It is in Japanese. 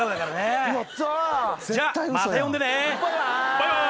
バイバイ。